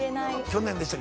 去年でした？